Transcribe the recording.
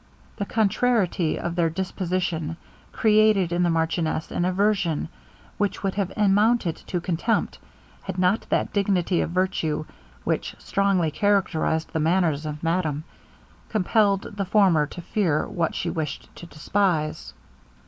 The contrariety of their disposition created in the marchioness an aversion which would have amounted to contempt, had not that dignity of virtue which strongly characterized the manners of madame, compelled the former to fear what she wished to despise.